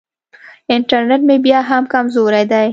انټرنېټ مې بیا هم کمزوری دی.